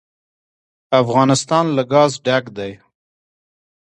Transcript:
افغانستان له ګاز ډک دی.